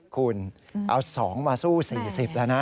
คุณเอา๒ปากมาสู้๔๐ปากแล้วนะ